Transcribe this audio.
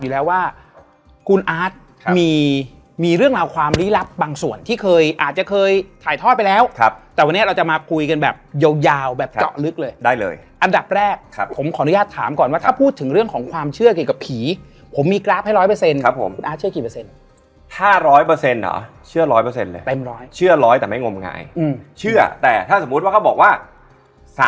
แล้วเราอยากนอนแอ๊กก็คงเป็นฟิลไม่ลืมตามา